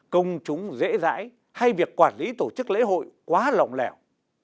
công chúng dễ dãi hay việc quản lý tổ chức lễ hội quá lỏng lẻo